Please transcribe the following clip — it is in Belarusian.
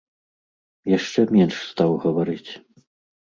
Яшчэ менш стаў гаварыць.